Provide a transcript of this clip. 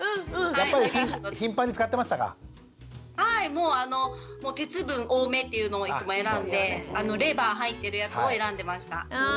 もうあの鉄分多めというのをいつも選んでレバー入っているやつを選んでました。